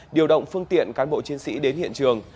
điều động phương tiện cán bộ chiến sĩ đến hiện trường